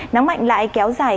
nắng mạnh lại kéo dài